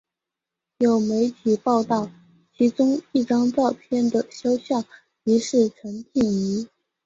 有媒体报道其中一张照片的肖像疑似陈静仪。